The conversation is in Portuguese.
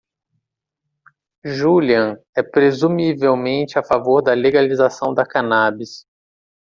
Julian é presumivelmente a favor da legalização da cannabis.